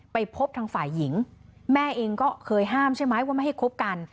ไปพบทางฝ่ายหญิงแม่เองก็เคยห้ามใช่ไหมว่าไม่ให้คบกัน